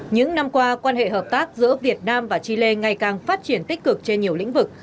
những năm qua quan hệ hợp tác giữa việt nam và chile ngày càng phát triển tích cực trên nhiều lĩnh vực